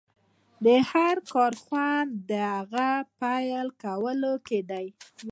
د هر کار خوند د هغه په پيل کولو کې دی.